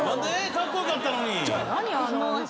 かっこよかったのに。